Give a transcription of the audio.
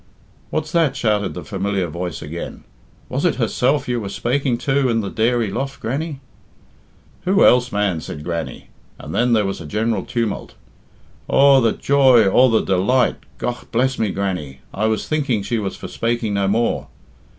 "What's that?" shouted the familiar voice again. "Was it herself you were spaking to in the dairy loft, Grannie?" "Who else, man?" said Grannie, and then there was a general tumult. "Aw, the joy! Aw, the delight! Gough bless me, Grannie, I was thinking she was for spaking no more."